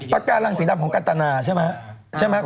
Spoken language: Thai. ปะการังสีดำของกันตระนาใช่มะ